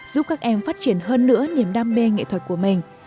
giúp các em phát triển hơn nữa niềm đam mê nghệ thuật của mình